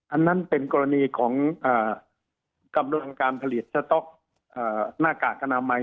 อันนั้นเป็นกรณีของกำลังการผลิตสต๊อกหน้ากากอนามัย